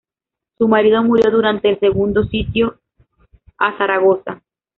Su marido murió durante el segundo sitio a Zaragoza.